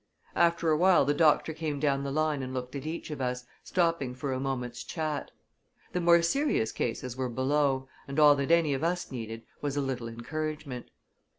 After a while the doctor came down the line and looked at each of us, stopping for a moment's chat. The more serious cases were below, and all that any of us needed was a little encouragement.